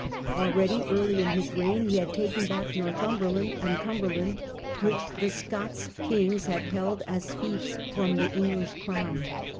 Already, early in his reign, he had taken back Northumberland and Cumberland, which the Scots kings had held as fiefs from the English crown.